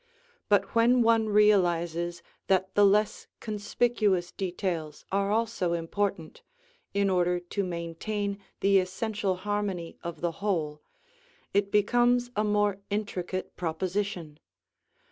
But when one realizes that the less conspicuous details are also important, in order to maintain the essential harmony of the whole, it becomes a more intricate proposition.